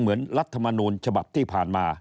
เหมือนรัฐมนูนฉบับที่ผ่านมา